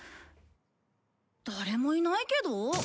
誰もいないけど？